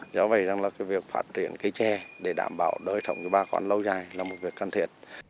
do vậy rằng là cái việc phát triển cây trè để đảm bảo đối thống với ba con lâu dài là một việc cần thiệt